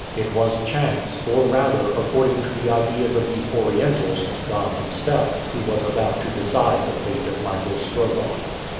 It was chance, or rather, according to the ideas of these Orientals, God Himself who was about to decide the fate of Michael Strogoff.